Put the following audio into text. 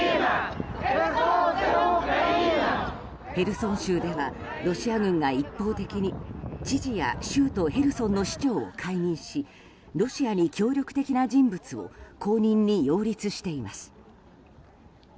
ヘルソン州ではロシア軍が一方的に知事や州都ヘルソンの市長を解任しロシアに協力的な人物を後任に擁立しています。